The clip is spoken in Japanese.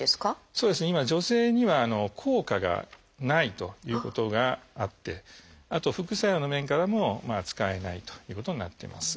そうですね今女性には効果がないということがあってあと副作用の面からも使えないということになってます。